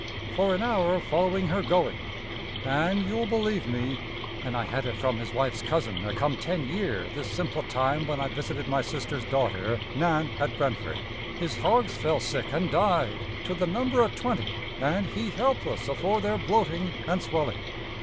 For an hour following her going, an' you'll believe me an' I had it from his wife's cousin a come ten year this simple time when I visited my sister's daughter Nan at Brentford his hogs fell sick an' died to the number o' twenty an' he helpless afore their bloating and swelling.